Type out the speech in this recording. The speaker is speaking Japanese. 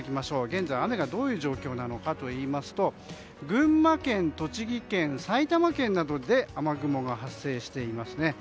現在、雨がどういう状況なのかといいますと群馬県、栃木県、埼玉県などで雨雲が発生していますね。